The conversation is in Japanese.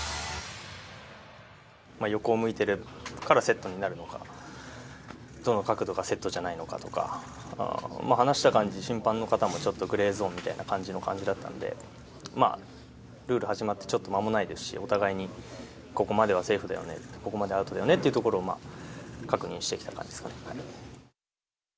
横を向いてるからセットになるのか、どの角度がセットじゃないのかとか、話した感じ、審判の方もちょっとグレーゾーンみたいな感じの感じだったんで、ルール始まってちょっと間もないですし、お互いにここまではセーフだよね、ここまではアウトだよねってところを確認してきた感じですかね。